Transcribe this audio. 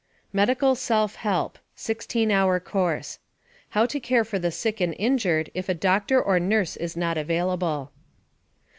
"MEDICAL SELF HELP" (16 hour course) How to care for the sick and injured if a doctor or nurse is not available.